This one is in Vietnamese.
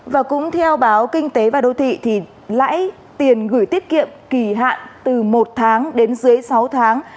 và cũng theo báo kinh tế và đô thị thì lãi tiền gửi tiết kiệm kỳ hạn từ một tháng đến dưới sáu tháng